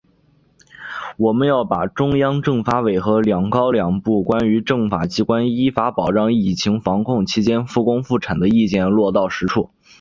我们要把中央政法委和‘两高两部’《关于政法机关依法保障疫情防控期间复工复产的意见》落到实处